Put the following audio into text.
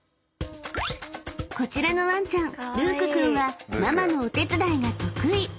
［こちらのワンちゃんルーク君はママのお手伝いが得意］